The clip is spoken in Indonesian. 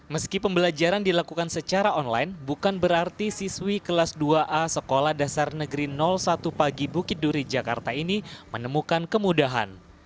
meski pembelajaran dilakukan secara online bukan berarti siswi kelas dua a sekolah dasar negeri satu pagi bukit duri jakarta ini menemukan kemudahan